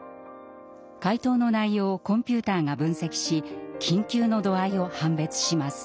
回答の内容をコンピューターが分析し緊急の度合いを判別します。